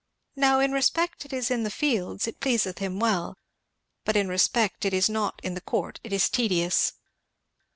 Now in respect it is in the fields, it pleaseth him well; but in respect it is not in the court, it is tedious.'"